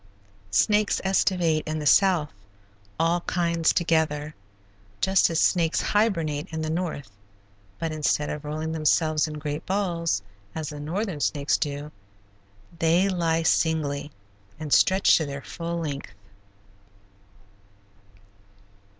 Snakes estivate in the South, all kinds together, just as snakes hibernate in the North, but instead of rolling themselves in great balls, as the northern snakes do, they lie singly, and stretched to their full length.